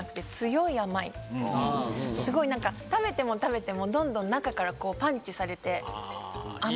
すごい何か食べても食べてもどんどん中からパンチされて。